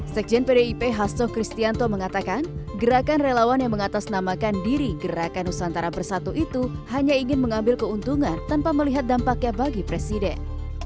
sekjen pdip hasto kristianto mengatakan gerakan relawan yang mengatasnamakan diri gerakan nusantara bersatu itu hanya ingin mengambil keuntungan tanpa melihat dampaknya bagi presiden